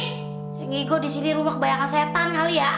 sayang gigo disini rumah kebanyakan setan kali ya